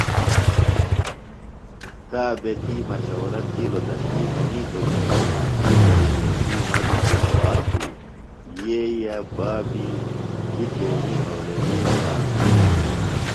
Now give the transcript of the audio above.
تا بےۡ تی مشورہ تِھیلوۡ تہ تی منِیتوۡ کی کُݨاکی تربیتیۡ مہ بیۡ زِمہ وار خو یئے بابی بیۡ تیݨی اولیدی خیال تھینڈیوۡ۔